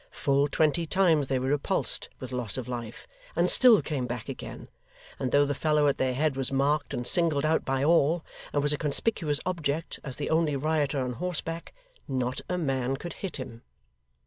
Full twenty times they were repulsed with loss of life, and still came back again; and though the fellow at their head was marked and singled out by all, and was a conspicuous object as the only rioter on horseback, not a man could hit him.